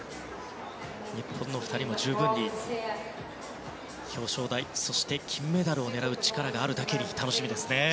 日本の２人も十分に表彰台そして金メダルを狙う力があるだけに楽しみですね。